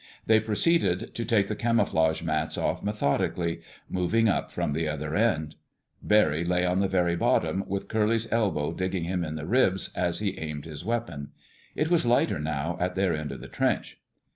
They proceeded to take the camouflage mats off methodically, moving up from the other end. Barry lay on the very bottom, with Curly's elbow digging him in the ribs as he aimed his weapon. It was lighter now in their end of the trench.